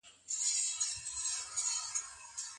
د بریا میوه یوازي لایقو کسانو ته نه سي سپارل کېدلای.